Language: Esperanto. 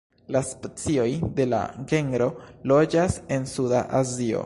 La specioj de la genro loĝas en Suda Azio.